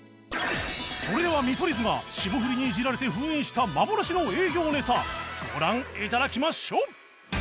それでは見取り図が霜降りにイジられて封印した幻の営業ネタご覧頂きましょう！